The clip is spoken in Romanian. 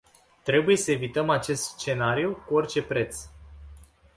Trebuie să evităm acest scenariu cu orice preț.